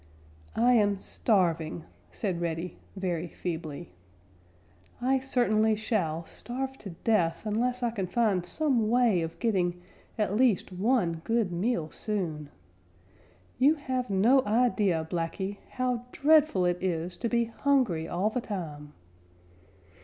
"I am starving," said Reddy very feebly. "I certainly shall starve to death unless I can find some way of getting at least one good meal soon. You have no idea, Blacky, how dreadful it is to be hungry all the time."